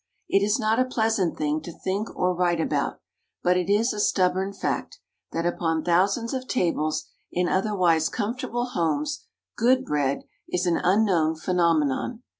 It is not a pleasant thing to think or write about, but it is a stubborn fact, that upon thousands of tables, in otherwise comfortable homes, good bread is an unknown phenomenon.